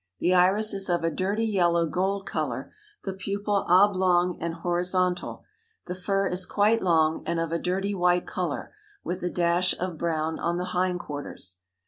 The iris is of a dirty yellow gold color, the pupil oblong and horizontal. The fur is quite long and of a dirty white color, with a dash of brown on the hind quarters."